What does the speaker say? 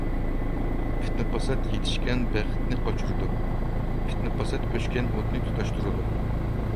پىتنە-پاسات يېتىشكەن بەختنى قاچۇرىدۇ. پىتنە-پاسات ئۆچكەن ئوتنى تۇتاشتۇرىدۇ.